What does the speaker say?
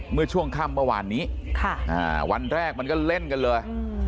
เมื่อช่วงค่ำเมื่อวานนี้วันแรกมันก็เล่นกันเลย